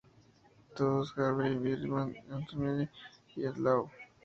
Todos: "Harvey Birdman, Attorney at Law!".